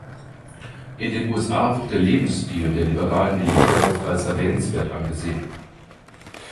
In den USA wird der Lebensstil der liberalen Eilte oft als erwähnenswert angesehen.